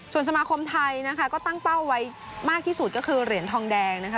ส่วนสมาคมไทยนะคะก็ตั้งเป้าไว้มากที่สุดก็คือเหรียญทองแดงนะคะ